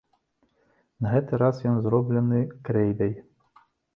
На гэты раз ён зроблены крэйдай.